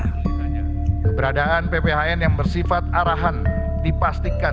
keberadaan pphn yang bersifat arahan dipastikan